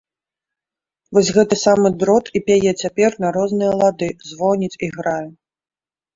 Вось гэты самы дрот і пяе цяпер на розныя лады, звоніць і грае.